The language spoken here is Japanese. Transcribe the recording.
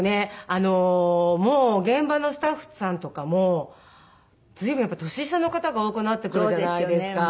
あのもう現場のスタッフさんとかも随分やっぱ年下の方が多くなってくるじゃないですか。